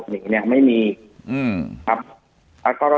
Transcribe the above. จนถึงปัจจุบันมีการมารายงานตัว